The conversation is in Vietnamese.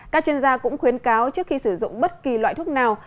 các chuyên gia cũng khuyến cáo trước khi sử dụng bất kỳ loại thuốc nào